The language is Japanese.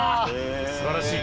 素晴らしい。